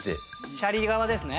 シャリ側ですね？